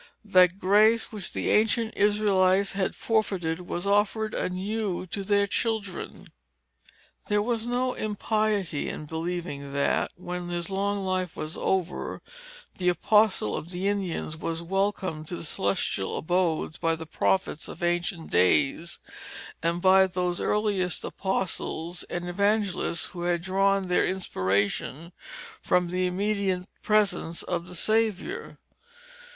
That grace, which the ancient Israelites had forfeited, was offered anew to their children. There is no impiety in believing that, when his long life was over, the apostle of the Indians was welcomed to the celestial abodes by the prophets of ancient days, and by those earliest apostles and evangelists, who had drawn their inspiration from the immediate presence of the Saviour.